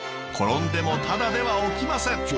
転んでもただでは起きません。